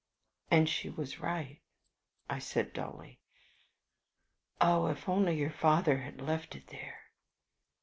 "And she was right," I said, dully. "Oh, if only your father had left it there!"